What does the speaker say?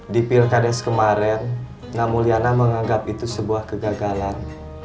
di pilkades kemarin namuliana menganggap itu sebuah kegagalan